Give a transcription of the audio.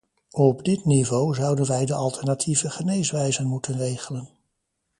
Op dit niveau zouden wij de alternatieve geneeswijzen moeten regelen.